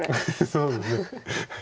そうですね。